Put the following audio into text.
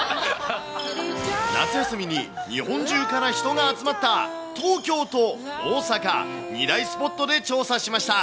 夏休みに日本中から人が集まった東京と大阪、２大スポットで調査しました。